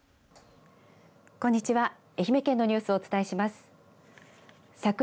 こんにちは。